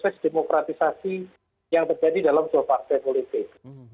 seperti demokratisasi yang terjadi dalam dua partai politik